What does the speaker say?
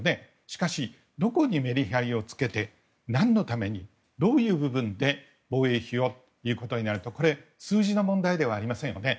しかし、どこにメリハリをつけて何のためにどういう部分で防衛費を言うことになるとこれは数字の問題ではありませんよね。